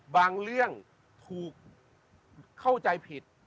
บางเรื่องถูกเข้าใจผิด